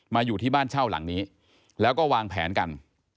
อยู่ที่บ้านเช่าหลังนี้แล้วก็วางแผนกัน